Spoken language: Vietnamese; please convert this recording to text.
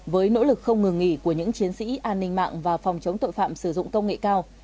với nỗ lực không ngừng nghỉ của những chiến sĩ an ninh mạng và phòng chống tội phạm sử dụng công nghệ cao